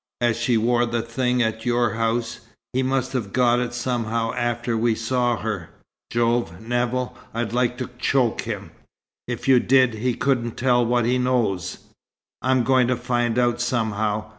As she wore the thing at your house, he must have got it somehow after we saw her. Jove, Nevill, I'd like to choke him!" "If you did, he couldn't tell what he knows." "I'm going to find out somehow.